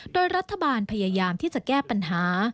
โดยรัฐบาลพยายามที่จะแก้ปัญหา